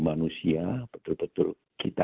manusia betul betul kita